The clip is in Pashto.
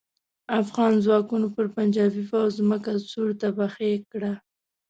افغان ځواکونو پر پنجاپي پوځ ځمکه سور تبخی کړه.